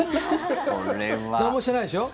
なんもしてないでしょ？